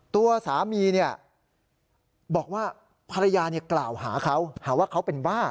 ตัวสามีบอกว่าภรรยากล่าวหาเขาหาว่าเขาเป็นบ้า